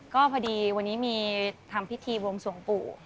ก็พอดีวันนี้มีทำพิธีวงสวงปู่